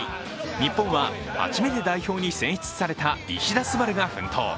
日本は初めて代表に選出された石田昴が奮闘。